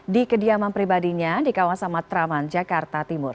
di kediaman pribadinya di kawasan matraman jakarta timur